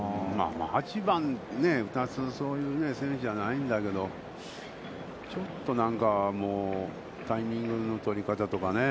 ８番打たす、そういう選手じゃないんだけど、ちょっとなんかもうタイミングの取り方とかね。